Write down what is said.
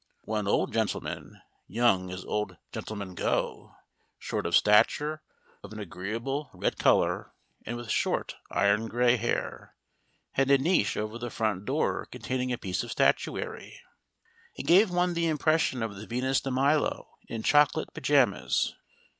One old gentleman, young as old gentlemen go, short of stature, of an agreeable red colour, and with short iron grey hair, had a niche over the front door containing a piece of statuary. It gave one the impression of the Venus of Milo in chocolate pyjamas.